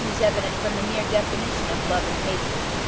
is evident from the mere definition of love and hatred (III.